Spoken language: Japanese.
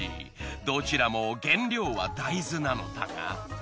どちらも原料は大豆なのだが。